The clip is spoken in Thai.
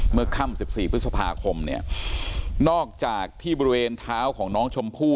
เมื่อค่ำ๑๔พฤษภาคมเนี่ยนอกจากที่บริเวณเท้าของน้องชมพู่